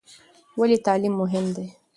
ولې تعلیم مهم دی؟